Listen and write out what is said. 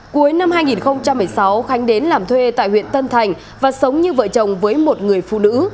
cuối năm hai nghìn một mươi sáu khánh đến làm thuê tại huyện tân thành và sống như vợ chồng với một người phụ nữ